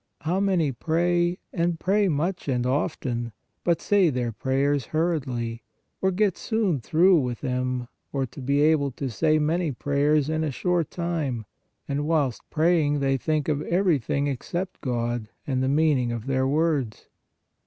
How many pray and pray much and often, but say their prayers hurriedly, to get soon through with them, or to be able to say many prayers in a short time, and whilst praying they think of everything except of God and the meaning of their words.